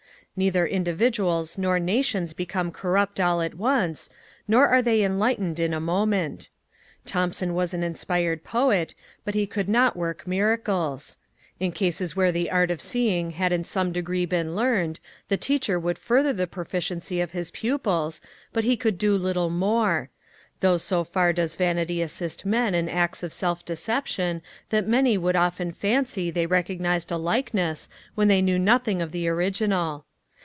Neither individuals nor nations become corrupt all at once, nor are they enlightened in a moment. Thomson was an inspired poet, but he could not work miracles; in cases where the art of seeing had in some degree been learned, the teacher would further the proficiency of his pupils, but he could do little more; though so far does vanity assist men in acts of self deception, that many would often fancy they recognized a likeness when they knew nothing of the original.